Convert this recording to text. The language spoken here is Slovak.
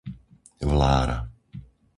Vlára